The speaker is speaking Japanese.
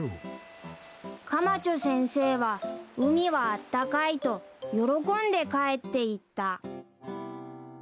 ［カマチョ先生は海はあったかいと喜んで帰っていった］